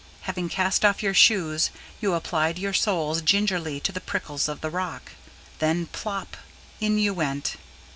Having cast off your shoes, you applied your soles gingerly to the prickles of the rock; then plop! and in you went.